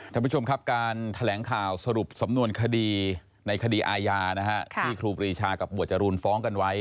ท่านผู้ชมครับการแถลงข่าวสรุปสำนวนคดีในคดีอาญาที่ครูปรีชากับหมวดจรูนฟ้องกันไว้